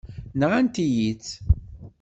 Nɣant-iyi-tt.